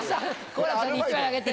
好楽さんに１枚あげて。